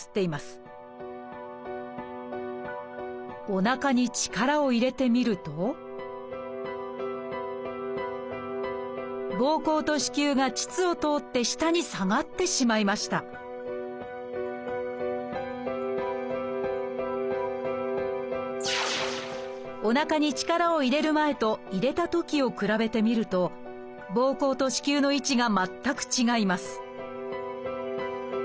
おなかに力を入れてみるとぼうこうと子宮が腟を通って下に下がってしまいましたおなかに力を入れる前と入れたときを比べてみるとぼうこうと子宮の位置が全く違います